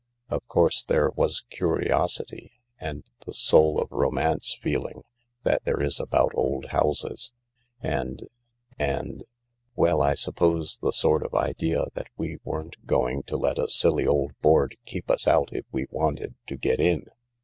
Of course there was curiosity, and the soul of romance feeling that there is about old houses ; and ... and ... well, I suppose the sort of idea that we weren't going to let a silly old board keep us out if we wanted to get in."